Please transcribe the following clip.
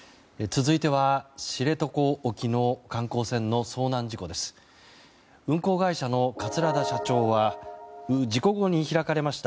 続いては知床沖の観光船の遭難事故です。